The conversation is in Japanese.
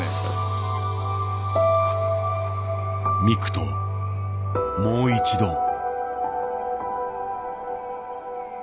ミクともう一度。